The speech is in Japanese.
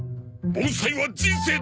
盆栽は人生だ！